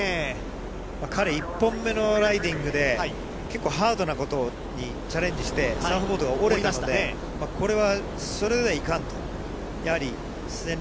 彼、１本目のライディングで、結構ハードなチャレンジして、サーフボードが折れたので、これはそれではいかんと。